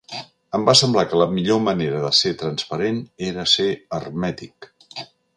Em va semblar que la millor manera de ser transparent era ser hermètic.